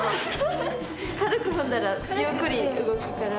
軽く踏んだらゆっくり動くから。